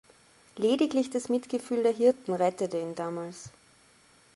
Lediglich das Mitgefühl der Hirten rettete ihn damals.